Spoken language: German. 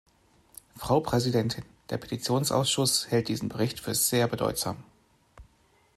Frau Präsidentin, der Petitionsausschuss hält diesen Bericht für sehr bedeutsam.